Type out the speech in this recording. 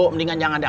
mendingan jangan dah